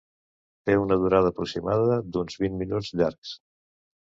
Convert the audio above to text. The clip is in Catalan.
Té una durada aproximada d'uns vint minuts llargs.